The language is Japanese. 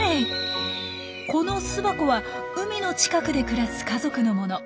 この巣箱は海の近くで暮らす家族のもの。